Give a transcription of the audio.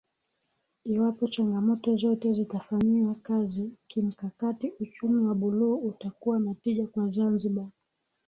Iwapo changamoto zote zitafanyiwa kazi kimkakati uchumi wa buluu utakuwa na tija kwa Zanzibar